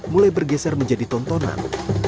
mulai bergeser menjadi tontonan